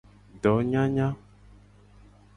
Donyanya.